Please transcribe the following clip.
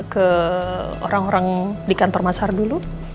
ke orang orang di kantor mas har dulu